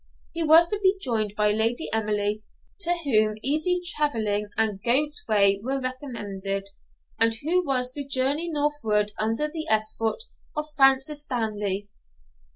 He was to be joined by Lady Emily, to whom easy travelling and goat's whey were recommended, and who was to journey northward under the escort of Francis Stanley.